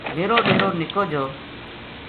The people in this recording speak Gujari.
میرو ڈیرو نِکو جو